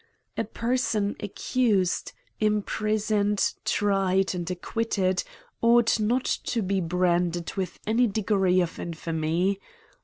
4 A person accused^ imprisoned, tried, and ac quitted, ought not to be branded with any degree of infamy.